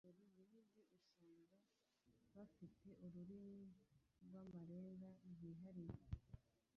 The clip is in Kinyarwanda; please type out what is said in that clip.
buri gihugu usanga bafite ururimi rw’amarenga rwihariye